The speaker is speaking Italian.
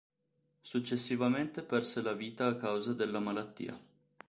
Successivamente perse la vita a causa della malattia.